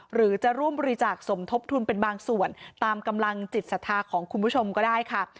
หรือจะร่วมบริจาคสมทบทุนเป็นบางส่วนตามกำลังจิตศรัทธาของคุณผู้ชมก็ได้ค่ะ